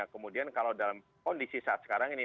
kemudian kalau dalam kondisi saat sekarang ini